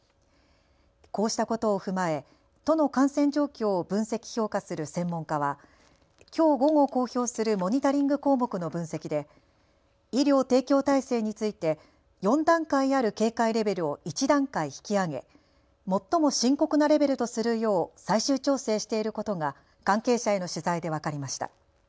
こうしたことを踏まえ都の感染状況を分析・評価する専門家はきょう午後、公表するモニタリング項目の分析で医療提供体制について４段階ある警戒レベルを１段階引き上げ最も深刻なレベルとするよう最終調整していることが関係者への取材で分かりました。